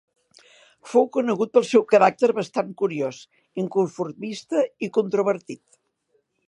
Fou conegut pel seu caràcter bastant curiós, inconformista i controvertit.